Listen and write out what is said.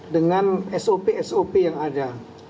dengan sop sop yang ada